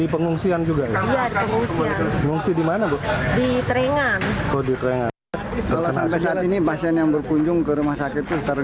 pada saat ini pasien yang berkunjung ke rumah sakit itu sekitar lima ratus dua puluh lima an